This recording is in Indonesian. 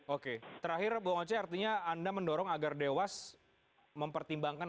oke terakhir bung oce artinya anda mendorong agar dewas mempertimbangkan